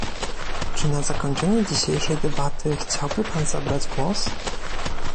Czy na zakończenie dzisiejszej debaty chciałby pan zabrać głos?